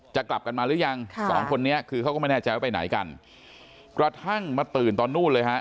กลับกันมาหรือยังค่ะสองคนนี้คือเขาก็ไม่แน่ใจว่าไปไหนกันกระทั่งมาตื่นตอนนู่นเลยฮะ